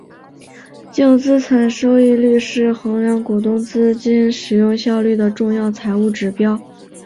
净资产收益率是衡量股东资金使用效率的重要财务指标。